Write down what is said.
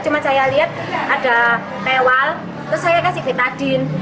cuma saya lihat ada tewal terus saya kasih vitadin